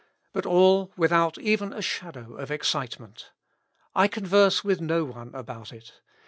But all without even a shadow of excitement. I converse with no one about it.